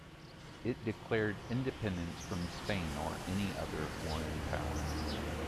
It declared independence from Spain or any other foreign power.